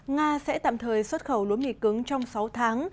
nga sẽ tạm thời xuất khẩu lúa mì cứng trong sáu tháng